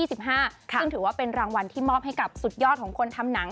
ซึ่งถือว่าเป็นรางวัลที่มอบให้กับสุดยอดของคนทำหนัง